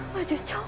wajah optik young